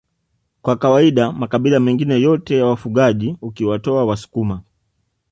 Kwa kawaida makabila mengine yote ya wafugaji ukiwatoa wasukuma